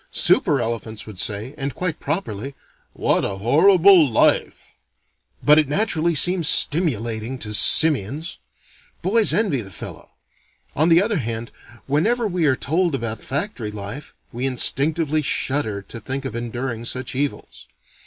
Super elephants would say, and quite properly, "What a horrible life!" But it naturally seems stimulating to simians. Boys envy the fellow. On the other hand whenever we are told about factory life, we instinctively shudder to think of enduring such evils.